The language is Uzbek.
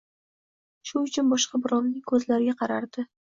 Shu uchun, boshqa birovning ko’zlariga qarardi.